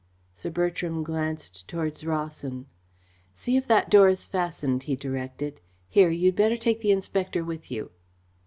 Sir Bertram glanced towards Rawson. "See if that door is fastened," he directed. "Here, you'd better take the inspector with you."